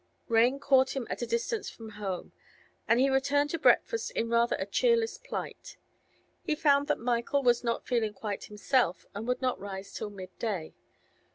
Rain caught him at a distance from home, and he returned to breakfast in rather a cheerless plight. He found that Michael was not feeling quite himself, and would not rise till midday.